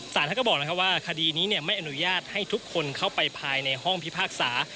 ศาลนั้นก็บอกนะครับว่าคดีนี้เนี่ยไม่อนุญาตให้ทุกคนเข้าไปภายในห้องพิพากษา